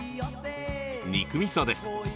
肉みそです。